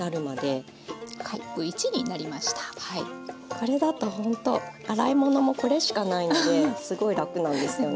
これだとほんと洗い物もこれしかないのですごい楽なんですよね。